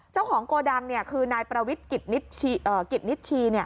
เจ้าของโกดังคือนายประวิศกิตนิชชี